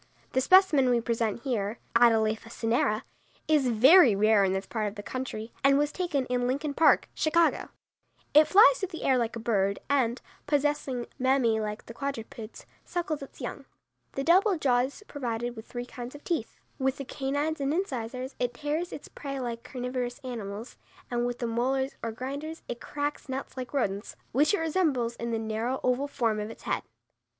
The specimen we present here (Atalapha cinerea) is very rare in this part of the country, and was taken in Lincoln Park, Chicago. It flies through the air like a bird and, possessing mammæ like the quadrupeds, suckles its young. The double jaw is provided with three kinds of teeth. With the canines and incisors it tears its prey like carnivorous animals, and with the molars or grinders it cracks nuts like rodents, which it resembles in the narrow, oval form of its head.